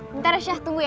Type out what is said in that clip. bentar ya syah tunggu ya